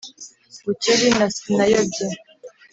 bukeri na sinayobye